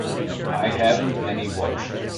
I haven't any watch.